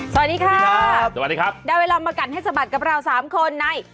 สวัสดีครับสวัสดีครับได้เวลามากัดให้สะบัดกับเราสามคนใน